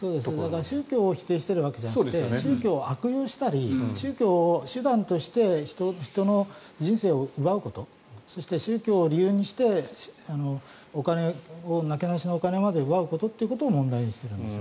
宗教を否定しているわけではなくて宗教を悪用したり宗教を手段として人の人生を奪うことそして、宗教を理由にしてなけなしのお金まで奪うことということを問題にしているんです。